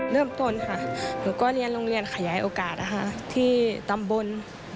เริ่มต้นค่ะหนูก็เรียนโรงเรียนขยายโอกาสนะคะที่ตำบล